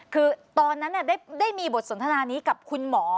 คือตอนนั้นได้มีบทสนทนานี้กับคุณหมอ